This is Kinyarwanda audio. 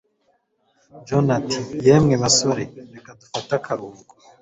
John ati: "Yemwe basore, reka dufate akaruhuko."